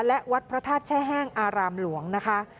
และวัดพระธาตุแช่แห้งอารามหลวงนะคะ